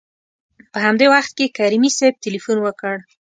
په همدې وخت کې کریمي صیب تلېفون وکړ.